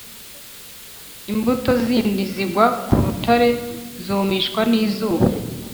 Imbuto zindi zigwa ku rutare zumishwa n’izuba